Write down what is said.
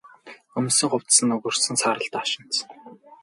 Өмссөн хувцас нь өгөршсөн саарал даашинз.